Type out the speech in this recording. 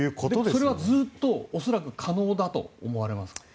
それはずっと恐らく可能だと思われますか？